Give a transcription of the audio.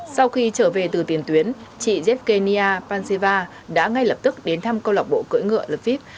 sau khi trở về từ tiền tuyến chị evgenia panceva đã ngay lập tức đến thăm câu lạc bộ cưỡi ngựa lefip